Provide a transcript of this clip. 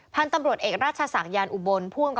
พันธุ์ตำรวจเอกราชสางยานอุบล